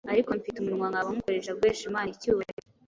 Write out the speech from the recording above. Ariko mfite umunwa, nkaba nywukoresha guhesha Imana icyubahiro.